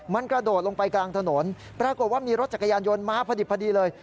มันกระโดดลงไปกลางถนนปรากฏว่ามีรถจักรยานยนต์มาพอดีเลย